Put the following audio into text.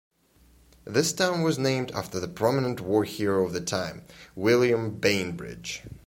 This town was named after the prominent war hero of the time, William Bainbridge.